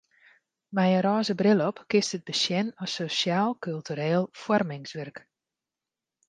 Mei in rôze bril op kinst it besjen as sosjaal-kultureel foarmingswurk.